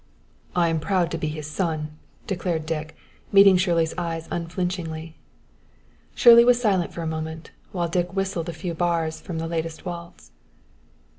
"I am proud to be his son," declared Dick, meeting Shirley's eyes unflinchingly. Shirley was silent for a moment, while Dick whistled a few bars from the latest waltz.